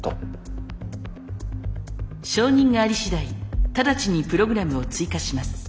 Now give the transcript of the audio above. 承認があり次第直ちにプログラムを追加します。